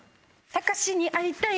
たかしに会いたい！